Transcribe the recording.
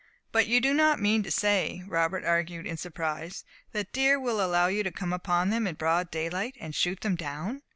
"But you do not mean to say," Robert argued, in surprise, "that deer will allow you to come upon them in broad day light, and shoot them down?"